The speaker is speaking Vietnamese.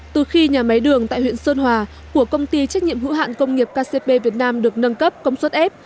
từ khi nhà máy đường tại huyện sơn hòa của công ty trách nhiệm hữu hạn công nghiệp kcp việt nam được nâng cấp công suất f